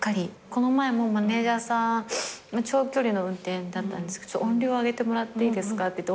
この前もマネジャーさん長距離の運転だったんですけど音量上げてもらっていいですか？って言って音量上げてもらって帰り道ドン！